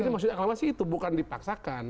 jadi maksudnya aklamasi itu bukan dipaksakan